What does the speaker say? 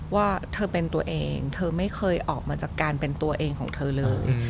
ว่าเธอเป็นตัวเองเธอไม่เคยออกมาจากการเป็นตัวเองของเธอเลย